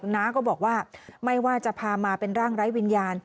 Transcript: น้าก็บอกว่าไม่ว่าจะพามาเป็นร่างไร้วิญญาณ